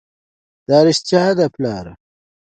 دا رښتيا دي پلاره!